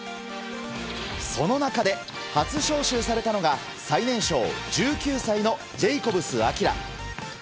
その中で、初召集されたのが最年少１９歳のジェイコブス晶。